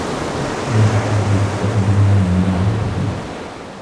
بيتي بالقُرب من المدرسة.